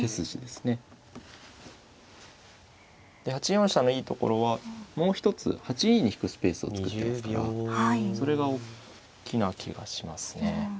８四飛車のいいところはもう一つ８二に引くスペースを作ってますからそれが大きな気がしますね。